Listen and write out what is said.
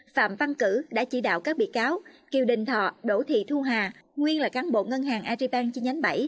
phạm văn cử đã chỉ đạo các bị cáo kiều đình thọ đỗ thị thu hà nguyên là cán bộ ngân hàng aribank chi nhánh bảy